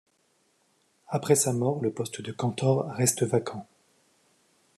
Après sa mort, le poste de Cantor reste vaquant.